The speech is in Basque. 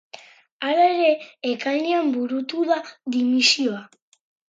Halere, ekainean burutu da dimisioa.